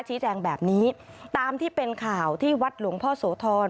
ชี้แจงแบบนี้ตามที่เป็นข่าวที่วัดหลวงพ่อโสธร